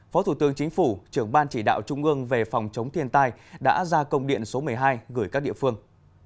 phó thủ tướng chính phủ trưởng ban chỉ đạo trung ương về phòng chống thiên tai đã ra công điện số một mươi hai gửi các địa phương